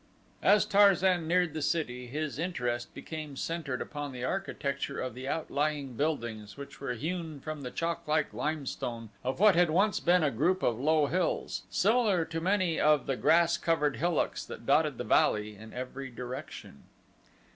As Tarzan neared the city his interest became centered upon the architecture of the outlying buildings which were hewn from the chalklike limestone of what had once been a group of low hills, similar to the many grass covered hillocks that dotted the valley in every direction.